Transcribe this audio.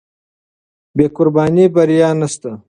بې قربانۍ بریا نشته.